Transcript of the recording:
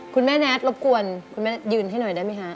คุณแม่แน็ตรบก่อนคุณแม่แน็ตยืนให้หน่อยได้มั้ยฮะ